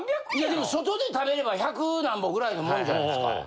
でも外で食べれば１００なんぼぐらいのもんじゃないすか。